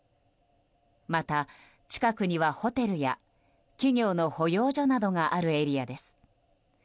また、近くにはホテルや企業の保養所などがあるエリアです。